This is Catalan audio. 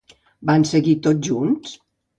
Van seguir tots junts?